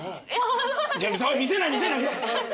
見せない見せない。